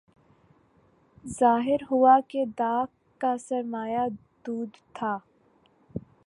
ظاہر ہوا کہ داغ کا سرمایہ دود تھا